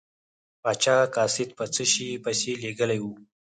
پاچا قاصد په څه شي پسې لیږلی و.